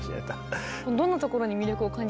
どんなところに魅力を感じたんですか？